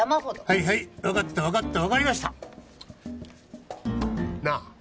はいはい分かった分かった分かりましたなあ